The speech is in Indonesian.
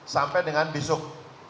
sampai dengan besok